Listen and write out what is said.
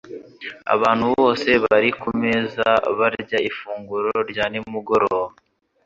Abantu bose bari kumeza barya ifunguro rya nimugoroba.